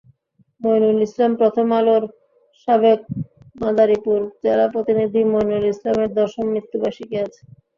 মঈনুল ইসলামপ্রথম আলোর সাবেক মাদারীপুর জেলা প্রতিনিধি মঈনুল ইসলামের দশম মৃত্যুবার্ষিকী আজ।